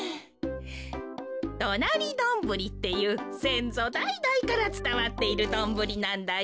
どなりドンブリっていうせんぞだいだいからつたわっているドンブリなんだよ。